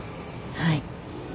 はい。